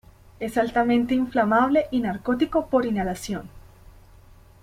Es altamente inflamable y narcótico por inhalación.